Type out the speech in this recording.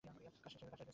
কাজ শেষ হয়েছে?